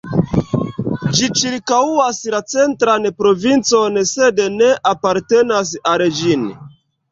Ĝi ĉirkaŭas la Centran Provincon sed ne apartenas al ĝin.